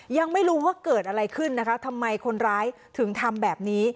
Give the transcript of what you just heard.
ยังไม่รู้ว่าเกิดอะไรขึ้นนะคะทำไมคนร้ายถึงทำแบบนี้